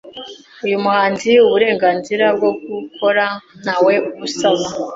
uyu muhanzi uburenganzira bwo gukora ntawe abusaba